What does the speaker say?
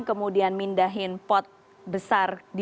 kemudian mindahin pot besar